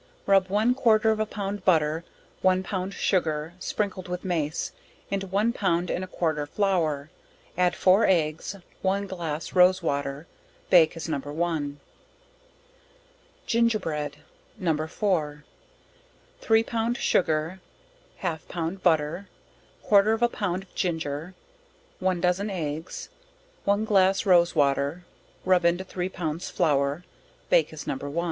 Rub one quarter of a pound butter, one pound sugar, sprinkled with mace, into one pound and a quarter flour, add four eggs, one glass rose water, bake as No. 1. Gingerbread. No. 4. Three pound sugar, half pound butter, quarter of a pound of ginger, one doz. eggs, one glass rose water, rub into three pounds flour, bake as No. 1.